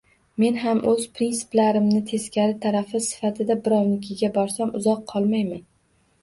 Men ham oʻz prinsiplarimni teskari tarafi sifatida birovnikiga borsam uzoq qolmayman.